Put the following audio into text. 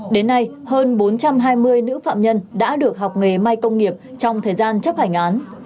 đến nay hơn bốn trăm hai mươi nữ phạm nhân đã được học nghề may công nghiệp trong thời gian chấp hành án